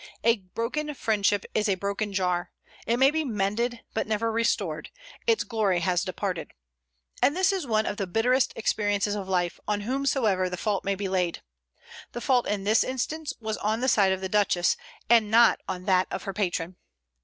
A broken friendship is a broken jar; it may be mended, but never restored, its glory has departed. And this is one of the bitterest experiences of life, on whomsoever the fault may be laid. The fault in this instance was on the side of the Duchess, and not on that of her patron.